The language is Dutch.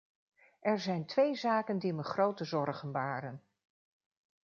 Er zijn twee zaken die me grote zorgen baren.